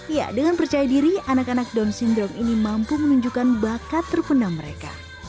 ya dengan percaya diri anak anak down syndrome ini mampu menunjukkan bakat terpenam mereka